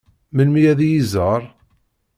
Melmi ad iyi-iẓeṛ?